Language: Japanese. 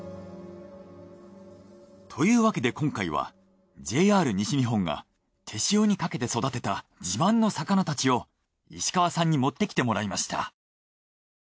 というわけで今回はＪＲ西日本が手塩にかけて育てた自慢の魚たちを石川さんに持ってきてもらいました。